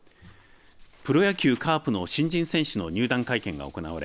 プロ野球カープの新人選手の入団会見が行われ